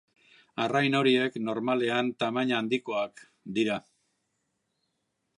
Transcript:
Arrain horiek normalean tamaina handikoak dira.